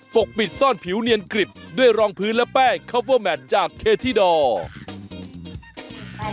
ปกปิดซ่อนผิวเนียนกริบด้วยรองพื้นและแป้งคับเวอร์แมทจากเคธิดอร์